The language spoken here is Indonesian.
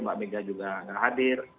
mbak megawati juga tidak hadir